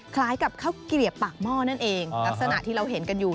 คล้ายกับข้าวเกลียบปากหม้อนั่นเองลักษณะที่เราเห็นกันอยู่